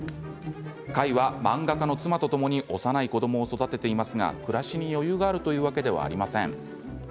開は漫画家の妻とともに幼い子どもを育てていますが暮らしに余裕があるというわけではありません。